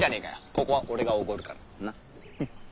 ここは俺が奢るからな？